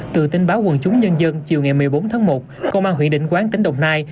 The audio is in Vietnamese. từ tin báo quần chúng nhân dân chiều ngày một mươi bốn tháng một công an huyện định quán tỉnh đồng nai